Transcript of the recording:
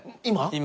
今！？